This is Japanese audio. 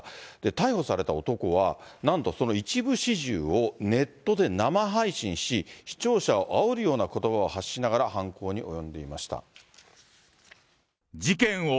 逮捕された男は、なんと、その一部始終をネットで生配信し、視聴者をあおるようなことばを発しながら犯行に及んでいました。